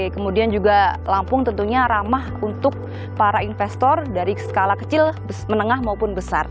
kemudian juga lampung tentunya ramah untuk para investor dari skala kecil menengah maupun besar